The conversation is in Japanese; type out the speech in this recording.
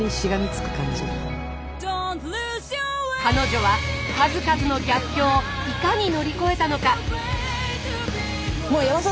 彼女は数々の逆境をいかに乗り越えたのか。